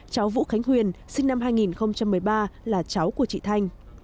cháu vũ khánh huyền sinh năm hai nghìn một mươi ba là cháu của chị thanh